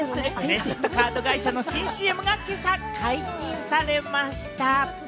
永野芽郁さんが出演する、クレジットカード会社の新ＣＭが今朝解禁されました。